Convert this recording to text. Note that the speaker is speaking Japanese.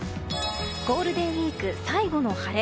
ゴールデンウィーク最後の晴れ。